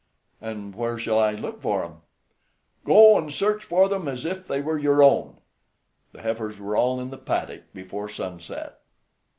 "And where shall I look for 'em?" "Go and search for them as if they were your own." The heifers were all in the paddock before sunset.